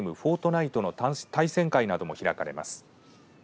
ナイトの対戦会なども開かれます。